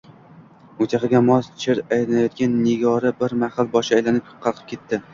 Musiqaga mos chir aylanyotgan Nigora bir mahal boshi aylanib qalqib ketdi